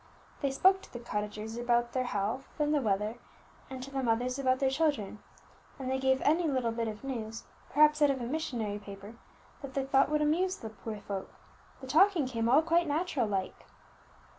They spoke to the cottagers about their health and the weather, and to the mothers about their children, and they gave any little bit of news, perhaps out of a missionary paper, that they thought would amuse the poor folk. The talking came all quite natural like."